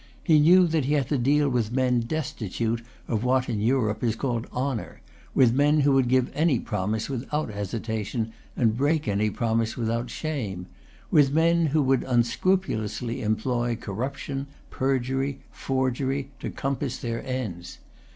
He knew that he had to deal with men destitute of what in Europe is called honour, with men who would give any promise without hesitation, and break any promise without shame, with men who would unscrupulously employ corruption, perjury, forgery, to compass their ends.